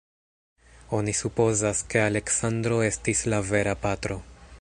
Oni supozas, ke Aleksandro estis la vera patro.